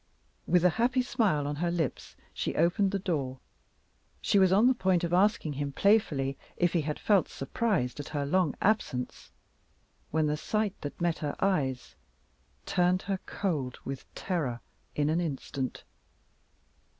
With a happy smile on her lips she opened the door. She was on the point of asking him playfully if he had felt surprised at her long absence when the sight that met her eyes turned her cold with terror in an instant.